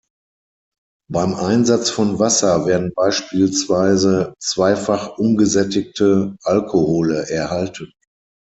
Beim Einsatz von Wasser werden beispielsweise zweifach ungesättigte Alkohole erhalten.